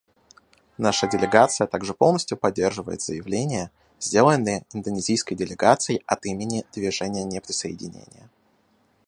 Наша делегация также полностью поддерживает заявление, сделанное индонезийской делегацией от имени Движения неприсоединения.